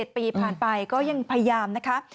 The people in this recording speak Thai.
๗ปีผ่านไปก็ยังพยายามนะคะ